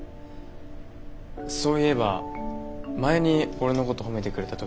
そういえば前に俺のこと褒めてくれた時も。